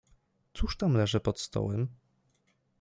"Cóż tam leży pod stołem?"